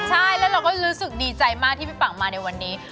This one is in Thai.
ใช่แล้วเราก็รู้สึกดีใจมากที่พี่ปังมาในวันนี้